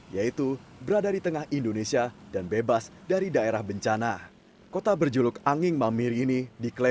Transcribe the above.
yaitu berada di tengah istana negara dan memiliki kota yang berbeda